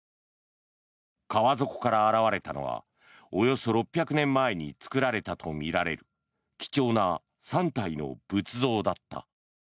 川底から現れたのはおよそ６００年前に作られたとみられる貴重な３体の仏像だった。